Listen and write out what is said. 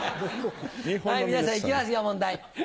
はい皆さんいきますよ問題。